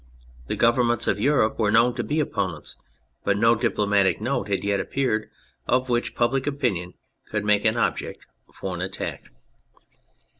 The Governments of Europe were known to be opponents ; but no diplo matic note had yet appeared of which public opinion could make an object for attack.